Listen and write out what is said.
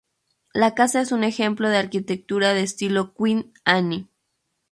La casa es un ejemplo de arquitectura de estilo Queen Anne.